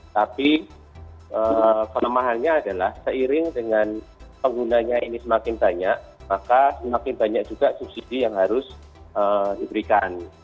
tapi kelemahannya adalah seiring dengan penggunanya ini semakin banyak maka semakin banyak juga subsidi yang harus diberikan